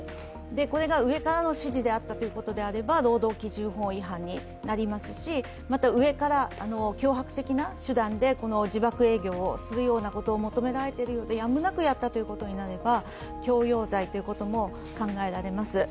これが上からの指示であったということであれば、労働基準法違反になりますし上から脅迫的な主殿でじばく営業をするということになるとやむなくやったことであれば強要罪ということも考えられます。